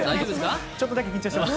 ちょっとだけ緊張してます。